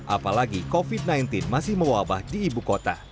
apalagi covid sembilan belas masih mewabah di ibu kota